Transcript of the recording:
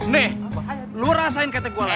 nih lu rasain ketek gua lagi